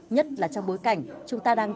nhất là trong bối cảnh chúng ta đang